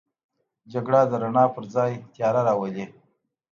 جګړه د رڼا پر ځای تیاره راولي